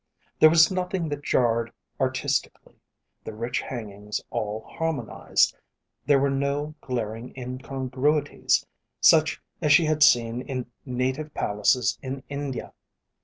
There was nothing that jarred artistically, the rich hangings all harmonised, there were no glaring incongruities such as she had seen in native palaces in India.